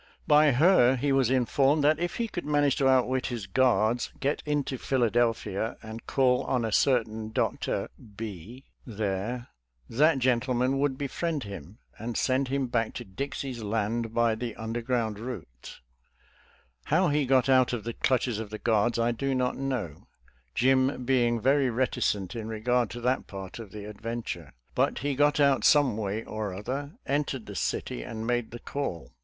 By her he was informed that I if he could; manage to. outwit his guards, geti intoiEhiladelphia and call on a certain Dr. B there, that gentleman would^ befriend him, and send him back to Dixie's Land by the underground route, i How he got out of the clutches of the guards I do not know, Jim being very reticent in regard to that part of the ad venture. But he got out some way or other, entered the city, and made the call.